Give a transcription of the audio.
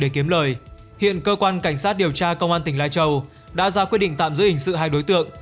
để kiếm lời hiện cơ quan cảnh sát điều tra công an tỉnh lai châu đã ra quyết định tạm giữ hình sự hai đối tượng